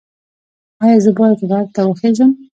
ایا زه باید غر ته وخیزم؟